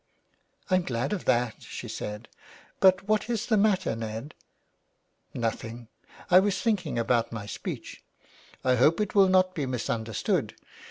" I am glad of that/' she said, '* but what is the matter, Ned ?'''' Nothing. I was thinking about my speech. I hope it will not be misunderstood.